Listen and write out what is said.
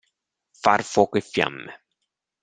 Far fuoco e fiamme.